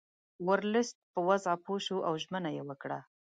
ورلسټ په وضع پوه شو او ژمنه یې وکړه.